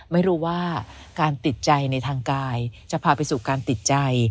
ไม่รู้ว่าการติดใจในทางกายจะพาไปสู่การติดใจ